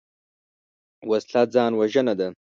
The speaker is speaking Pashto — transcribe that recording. وسله ځان وژنه ده